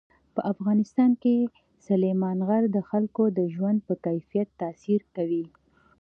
په افغانستان کې سلیمان غر د خلکو د ژوند په کیفیت تاثیر کوي.